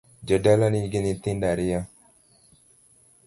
Jadolo nigi nyithindo ariyo